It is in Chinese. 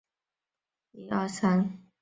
早年捐太仆寺员外郎。